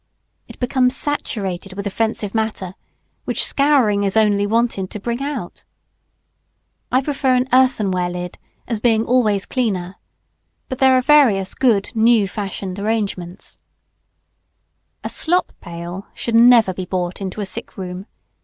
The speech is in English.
It becomes saturated with offensive matter, which scouring is only wanted to bring out. I prefer an earthenware lid as being always cleaner. But there are various good new fashioned arrangements. [Sidenote: Abolish slop pails.] A slop pail should never be brought into a sick room.